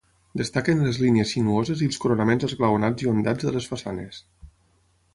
Destaquen les línies sinuoses i els coronaments esglaonats i ondats de les façanes.